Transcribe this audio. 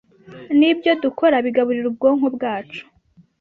n’ibyo dukora bigaburira ubwonko bwacu